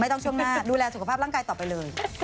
ช่วงหน้าดูแลสุขภาพร่างกายต่อไปเลย